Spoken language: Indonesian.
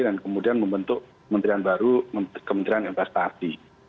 dan kemudian membentuk kementerian investasi